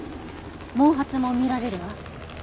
毛髪も見られるわ。